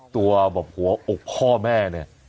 ตัวแบบหัวอกพ่อแม่เนี่ย